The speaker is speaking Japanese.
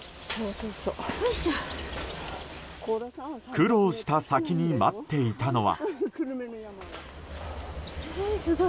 苦労した先に待っていたのは。